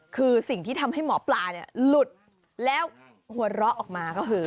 คือสิ่งที่ทำให้หมอปลาหลุดแล้วหัวเราะออกมาก็คือ